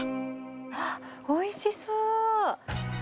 あっ、おいしそう。